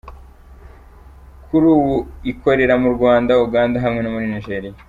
Kuri ubu ikorera mu Rwanda, Uganda hamwe no muri Nigeria.